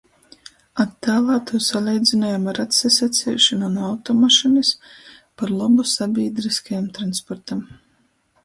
Attālā tū saleidzynojam ar atsasaceišonu nu automašynys par lobu sabīdryskajam transportam.